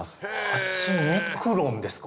８ミクロンですか。